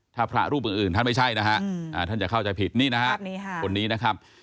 ถ้าพระรูปอื่นท่านไม่ใช่นะฮะท่านจะเข้าใจผิดนี่นะฮะคนนี้นะครับ